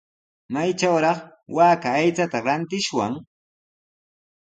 ¿Maytrawraq waaka aychata rantishwan?